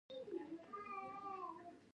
د افغانستان تاریخ ولې د لوستلو وړ دی؟